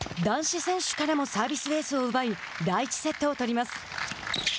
男子選手からもサービスエースを奪い第１セットを取ります。